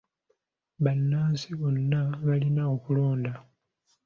Bannansi bonna balina okulonda.